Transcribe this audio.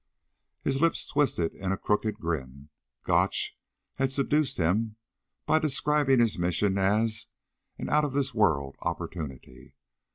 His lips twisted in a crooked grin. Gotch had seduced him by describing his mission as an "out of this world opportunity."